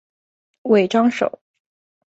尾张守。